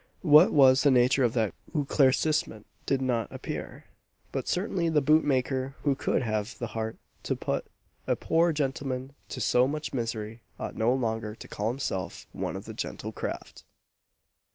What was the nature of that éclaircissement did not appear; but certainly the boot maker who could have the heart to put a poor gentleman to so much misery ought no longer to call himself one of the "gentle craft."